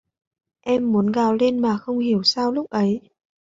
em muốn gào lên mà không hiểu sao lúc ấy